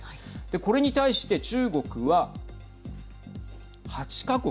これに対して、中国は８か国。